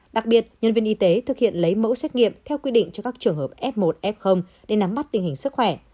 đặc biệt nhân viên y tế thực hiện lấy mẫu xét nghiệm theo quy định cho các trường hợp f một f để nắm bắt tình hình sức khỏe